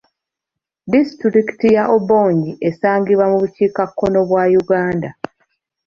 Disitulikiti ya Obongi esangibwa mu bukiikakkono bwa Uganda